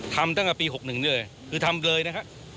ทำตั้งแต่ปี๖๑นี่เลยคือทำเลยนะครับ